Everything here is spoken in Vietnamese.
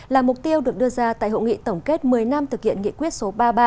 là mục tiêu được đưa ra tại hội nghị tổng kết một mươi năm thực hiện nghị quyết số ba mươi ba